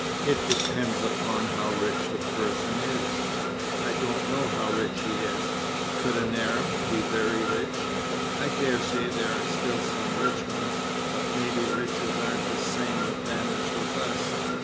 "It depends upon how rich the person is." "I don't know how rich he is. Could an Arab be very rich?" "I daresay there are still some rich ones. But maybe riches aren't the same with them as with us.